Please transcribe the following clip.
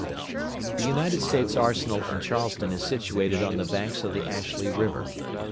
The United States Arsenal in Charleston is situated on the banks of the Ashley River.